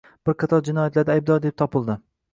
Bir qator jinoyatlarda aybdor deb topildi